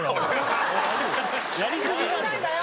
やりすぎなんだよ